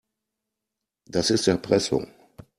Das ist Erpressung.